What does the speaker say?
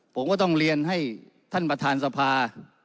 ผมก็ต้องเรียนให้ท่านประธานสภา